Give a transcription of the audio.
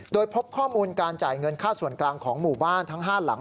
โดยพบข้อมูลการจ่ายเงินค่าส่วนกลางของหมู่บ้านทั้ง๕หลัง